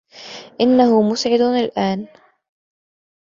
إنهُ مُسعد الأن.